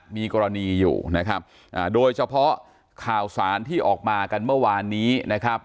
มีกรณีอยู่นะครับโดยเฉพาะข่าวสารที่ออกมากันเมื่อวานนี้นะครับ